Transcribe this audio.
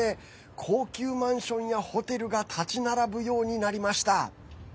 高級マンションやホテルが立ち並ぶようになりました。